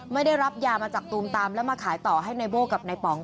ไม่ได้รับยามาจากตูมตามแล้วมาขายต่อให้นายโบ้กับนายป๋อง